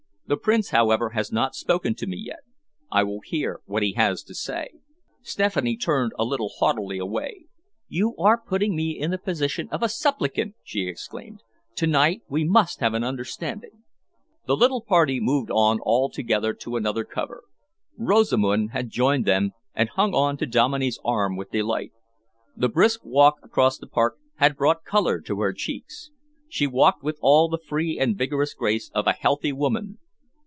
The Prince, however, has not spoken to me yet. I will hear what he has to say." Stephanie turned a little haughtily away. "You are putting me in the position of a supplicant!" she exclaimed. "To night we must have an understanding." The little party moved on all together to another cover. Rosamund had joined them and hung on to Dominey's arm with delight. The brisk walk across the park had brought colour to her cheeks. She walked with all the free and vigorous grace of a healthy woman.